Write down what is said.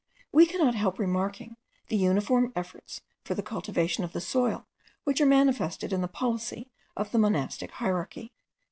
We cannot help remarking the uniform efforts for the cultivation of the soil which are manifested in the policy of the monastic hierarchy.